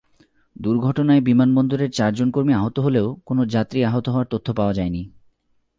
দুর্ঘটনায় বিমানবন্দরের চারজন কর্মী আহত হলেও কোনো যাত্রী আহত হওয়ার তথ্য পাওয়া যায়নি।